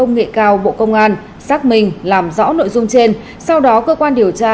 hệ cao bộ công an xác minh làm rõ nội dung trên sau đó cơ quan điều tra